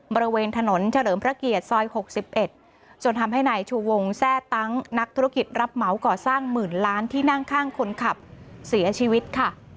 บริเวณถนนเฉลิมพระเกียรติซอย๖๑จนทำให้นายชูวงแทร่ตั้งนักธุรกิจรับเหมาก่อสร้างหมื่นล้านที่นั่งข้างคนขับเสียชีวิตค่ะ